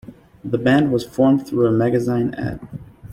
The band was formed through a magazine ad.